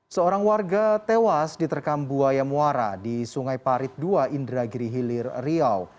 seorang warga tewas diterkam buaya muara di sungai parit ii indra giri hilir riau